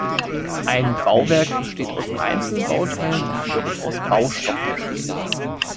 Ein Bauwerk besteht aus einzelnen Bauteilen, die wiederum aus Baustoffen bestehen.